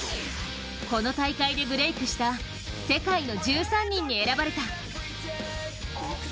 この大会でブレークした世界の１３人に選ばれた。